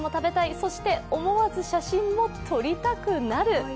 そして思わず写真も撮りたくなる！